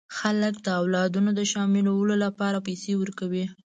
خلک د اولادونو د شاملولو لپاره پیسې ورکوي.